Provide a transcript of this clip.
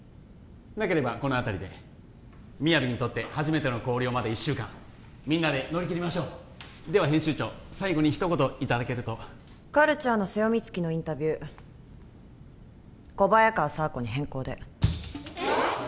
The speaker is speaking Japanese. なければこのあたりで「ＭＩＹＡＶＩ」にとって初めての校了まで１週間みんなで乗り切りましょうでは編集長最後に一言いただけるとカルチャーの瀬尾光希のインタビュー小早川佐和子に変更でえっ！？